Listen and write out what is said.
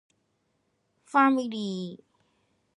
Cardwell was named after the Cardwell Family.